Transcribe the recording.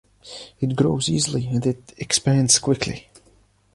It grows easily and it expands quickly